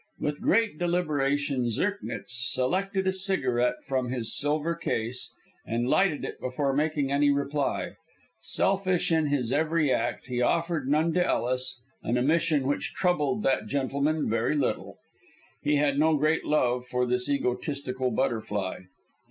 With great deliberation, Zirknitz selected a cigarette from his silver case and lighted it before making any reply. Selfish in his every act, he offered none to Ellis an omission which troubled that gentleman very little. He had no great love for this egotistical butterfly.